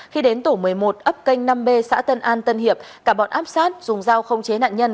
khi đến tổ một mươi một ấp kênh năm b xã tân an tân hiệp cả bọn áp sát dùng giao khống chế nạn nhân